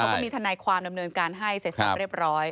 ก็มีทนายความดำเนินการให้เสร็จสับเรียบร้อย